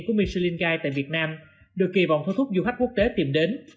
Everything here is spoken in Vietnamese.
của michelin guide tại việt nam được kỳ vọng thu hút du khách quốc tế tìm đến